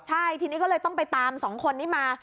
ใช่ทีนี้ก็เลยต้องไปตาม๒คนนี้มา